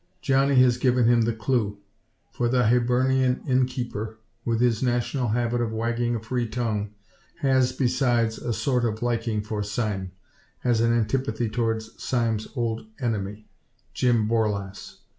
Johnny has given him the clue. For the Hibernian innkeeper, with his national habit of wagging a free tongue, has besides a sort of liking for Sime, as an antipathy towards Sime's old enemy, Jim Borlasse.